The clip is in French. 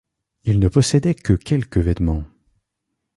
Il ne possédait que quelques vêtements.